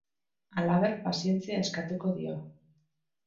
Halaber, pazientzia eskatuko dio.